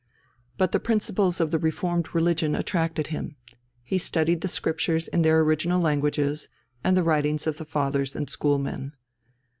But the principles of the Reformed religion attracted him; he studied the Scriptures in their original languages, and the writings of the fathers and schoolmen.